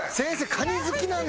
カニ好きなんだ。